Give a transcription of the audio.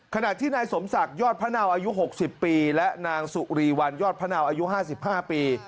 ขณะที่นายสมศักดิ์ยอดพะเนาอายุ๖๐ปีและนางสุรีวันยอดพะเนาอายุ๕๕ปี